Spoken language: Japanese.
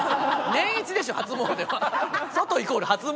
年イチでしょ初詣は。